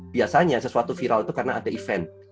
biasanya sesuatu viral itu karena ada event